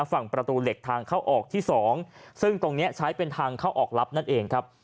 ฝั่งประตูเหล็กทางเข้าออกที่๒ซึ่งตรงนี้ใช้เป็นทางเข้าออกลับนั่นเองครับ